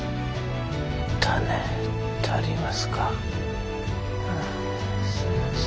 種足りますか？